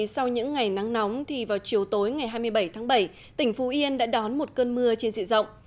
sau những ngày nắng nóng vào chiều tối ngày hai mươi bảy tháng bảy tỉnh phú yên đã đón một cơn mưa trên dịa rộng